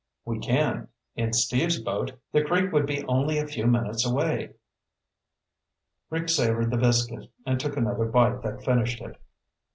"We can. In Steve's boat, the creek would be only a few minutes away." Rick savored the biscuit and took another bite that finished it.